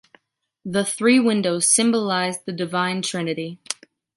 The three windows symbolize the Divine Trinity.